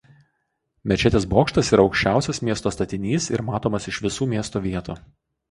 Mečetės bokštas yra aukščiausias miesto statinys ir matomas iš visų miesto vietų.